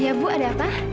iya bu ada apa